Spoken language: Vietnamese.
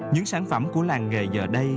những sản phẩm của làng nghề giờ đây